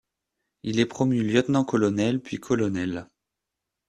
Il est promu lieutenant-colonel puis colonel.